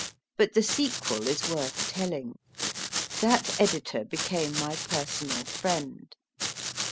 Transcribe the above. But the sequel is worth telling. That editor became my personal friend.